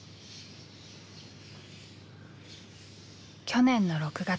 去年の６月。